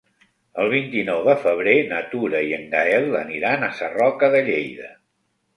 El vint-i-nou de febrer na Tura i en Gaël aniran a Sarroca de Lleida.